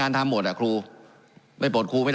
การปรับปรุงทางพื้นฐานสนามบิน